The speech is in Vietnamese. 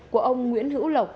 của ông nguyễn hữu lộc